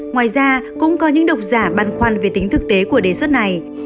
ngoài ra cũng có những độc giả băn khoăn về tính thực tế của đề xuất này